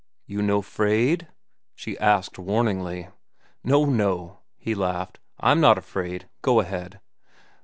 "You no 'fraid?" she asked warningly. "No, no," he laughed, "I'm not afraid. Go ahead."